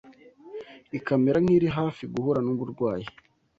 ikamera nk’iri hafi guhura n’uburwayi